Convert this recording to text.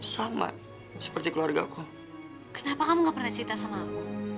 saya kenal senjata udah menolaktv